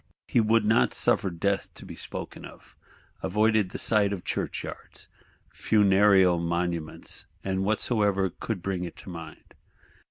He would not suffer Death to be spoken of; avoided the sight of churchyards, funereal monuments, and whatsoever could bring it to mind.